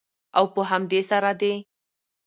او په همدې سره د